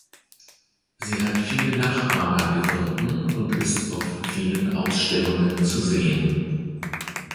Sie hat viele Nachahmer gefunden und ist auf vielen Ausstellungen zu sehen.